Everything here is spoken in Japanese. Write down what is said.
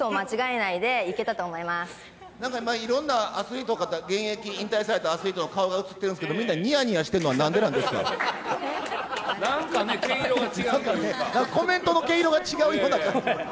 なんかいろんなアスリートの方、現役、引退されたアスリートの顔が映ってるんですけど、みんな、にやになんかね、毛色が違うというコメントの毛色が違うような。